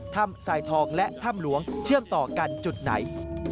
สายทองและถ้ำหลวงเชื่อมต่อกันจุดไหน